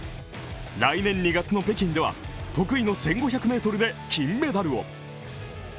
来年２月の北京では得意の１５００ｍで金メダルを。